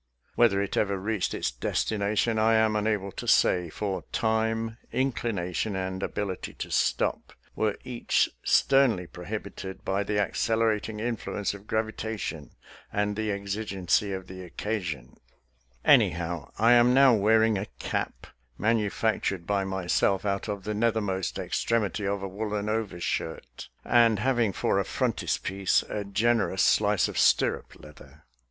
Whether it ever reached its destination, I am unable to say, for time, inclination, and ability to stop were each sternly prohibited by the accelerating influence of gravitation, and the exigency of the occasion. Anyhow, I am 172 SOLDIER'S LETTERS TO CHARMING NELLIE now wearing a cap manufactured by myself out of the nethermost extremity of a woolen overshirt, and having for a frontispiece a gen erous slice of stirrup leather.